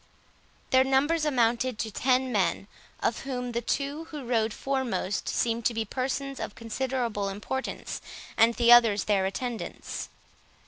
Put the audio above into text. Their numbers amounted to ten men, of whom the two who rode foremost seemed to be persons of considerable importance, and the others their attendants.